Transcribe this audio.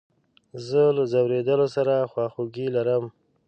زه له ځورېدلو سره خواخوږي لرم.